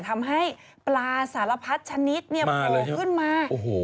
ทำให้ปลาสารพัดชนิดเนี่ยโผล่ขึ้นมา